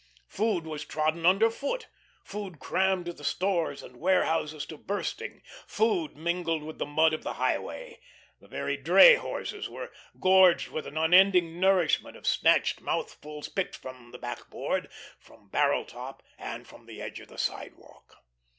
Food was trodden under foot, food crammed the stores and warehouses to bursting. Food mingled with the mud of the highway. The very dray horses were gorged with an unending nourishment of snatched mouthfuls picked from backboard, from barrel top, and from the edge of the sidewalk.